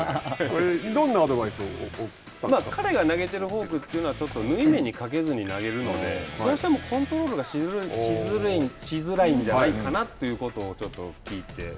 どんなアドバイスを彼が投げているフォークはちょっと縫い目にかけずに投げるのでどうしてもコントロールがしづらいんじゃないかなということをちょっと聞いて。